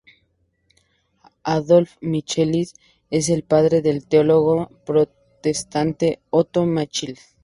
Adolf Michaelis es el padre del teólogo protestante Otto Michaelis.